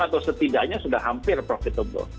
atau setidaknya sudah hampir profitable